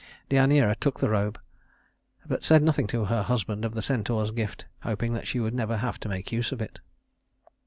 Deïaneira took the robe, but said nothing to her husband of the centaur's gift, hoping that she would never have to make use of it.